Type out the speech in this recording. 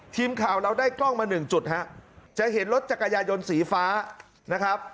ทีมข่าวเราได้กล้องมาหนึ่งจุดฮะจะเห็นรถจักรยายนสีฟ้านะครับ